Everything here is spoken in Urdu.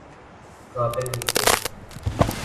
قابل بھی تھے۔